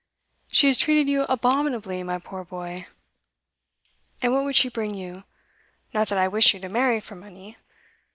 She has treated you abominably, my poor boy. And what would she bring you? Not that I wish you to marry for money.